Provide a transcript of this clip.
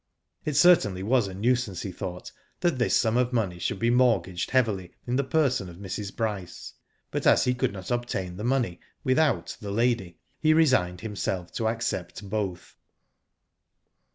It certainly was a nuisance, he thought, that this sum of money should be mortgaged heavily in the person of Mrs. Bryce, but as he could not obtaiii the money without the lady, he resigned himself to accept both.